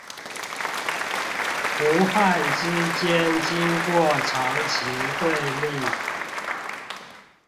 胡漢之間經過長期對立